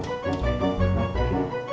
enggak kerana bebas